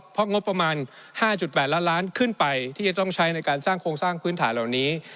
เพราะงบประมาณ๕๘ล้านล้านขึ้นไปที่จะต้องใช้ในการสร้างโครงสร้างพื้นฐานเหล่านี้